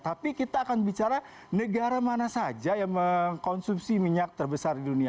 tapi kita akan bicara negara mana saja yang mengkonsumsi minyak terbesar di dunia